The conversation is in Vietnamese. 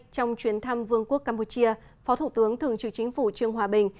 trong chuyến thăm vương quốc campuchia phó thủ tướng thường trực chính phủ trương hòa bình